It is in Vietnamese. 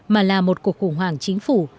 mà là một cuộc bỏ phiếu chống lại eu